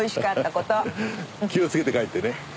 気をつけて帰ってね。